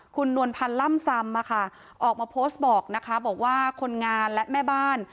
คุณนวลพันธ์ล่ำซำออกมาโพสต์บอกนะคะบอกว่าคนงานและแม่บ้าน